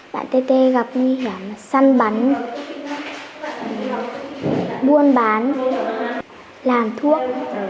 bạn tê tê gặp nguy hiểm là săn bắn buôn bán làm thuốc